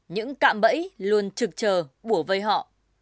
những cạm bẫy luôn trực trờ bủa vây họ